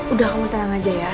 udah kamu tenang aja ya